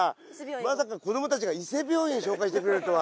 まさか子どもたちが伊勢病院紹介してくれるとは。